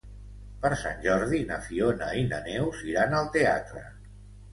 Per Sant Jordi na Fiona i na Neus iran al teatre.